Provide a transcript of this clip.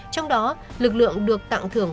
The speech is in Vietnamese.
trong đó lực lượng được tặng thưởng